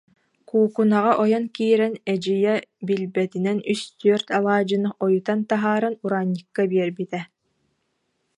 Куукунаҕа ойон киирэн, эдьиийэ бил- бэтинэн үс-түөрт алаадьыны ойутан таһааран Ураан- ньыкка биэрбитэ